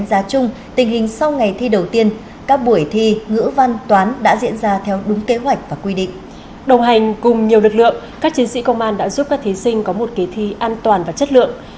các chiến sĩ công an đã giúp các thí sinh có một kế thi an toàn và chất lượng